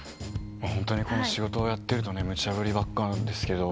ホントにこの仕事をやってるとムチャブリばっかなんですけど。